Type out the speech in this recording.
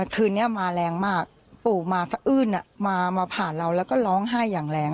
คืนนี้มาแรงมากปู่มาสะอื้นมาผ่านเราแล้วก็ร้องไห้อย่างแรง